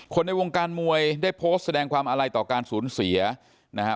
ในวงการมวยได้โพสต์แสดงความอาลัยต่อการสูญเสียนะฮะ